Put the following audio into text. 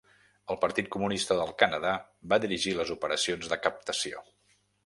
El Partit Comunista del Canadà va dirigir les operacions de captació.